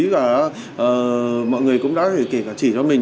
và mọi người cũng đã kể cả chỉ cho mình